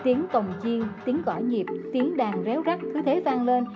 tiếng tồng chiên tiếng cỏ nhịp tiếng đàn réo rắc cứ thế vang lên